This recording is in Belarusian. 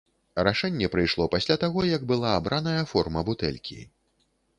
Рашэнне прыйшло пасля таго, як была абраная форма бутэлькі.